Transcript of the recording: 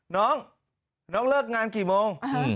น้องน้องเลิกงานกี่โมง